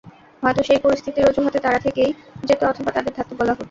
হয়তো সেই পরিস্থিতির অজুহাতে তারা থেকেই যেত অথবা তাদের থাকতে বলা হতো।